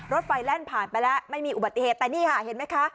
รถไฟแล่นผ่านไปแล้วไม่มีอุบัติเหตุแต่นี่ค่ะเห็นไหมคะ